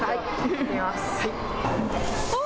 行ってきます。